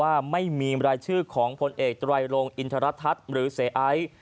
ว่าไม่มีรายชื่อของผลเอกตรายลงอินทรัฐัฐหรือเสไอ